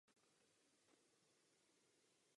Čeleď je rozšířena v Eurasii a Africe.